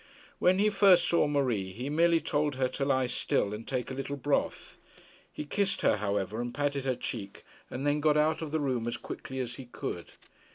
When he first saw Marie, he merely told her to lie still and take a little broth. He kissed her however and patted her cheek, and then got out of the room as quickly as he could.